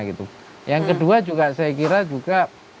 yang kedua juga saya kira juga